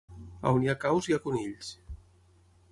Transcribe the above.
On hi ha caus, hi ha conills.